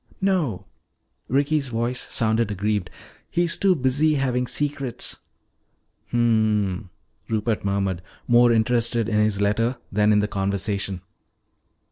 "No," Ricky's voice sounded aggrieved, "he's too busy having secrets " "Hmm," Rupert murmured, more interested in his letter than in the conversation.